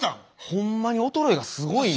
ほんまに衰えがすごいねん。